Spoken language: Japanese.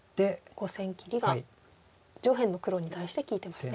５線切りが上辺の黒に対して利いてますね。